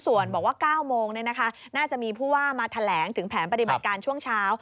ส่วนบอกว่า๙โมงน่าจะมีผู้ว่ามาแถลงถึงแผนปฏิบัติการช่วงเช้า